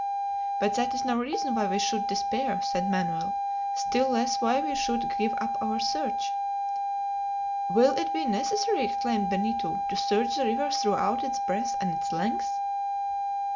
"But that is no reason why we should despair," said Manoel, "still less why we should give up our search." "Will it be necessary," exclaimed Benito, "to search the river throughout its breadth and its length?"